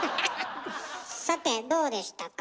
さてどうでしたか？